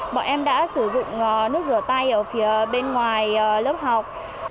bọn em đã sử dụng nước rửa tay ở phía bên ngoài lớp học